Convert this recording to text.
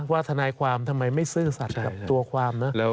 ทนายความทำไมไม่ซื่อสัตว์กับตัวความนะ